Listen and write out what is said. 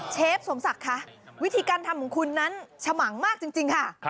ฟสมศักดิ์คะวิธีการทำของคุณนั้นฉมังมากจริงค่ะ